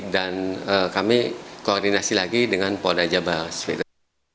dan kami koordinasi lagi dengan polda jawa barat